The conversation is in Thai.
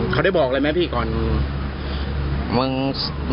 เขาได้บอกอะไรไหมเพียสผู้ชม